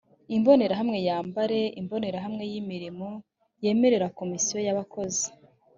imbonerahamwe ya mbare imbonerahamwe y’imirimo yemerera komisiyo y’abakozi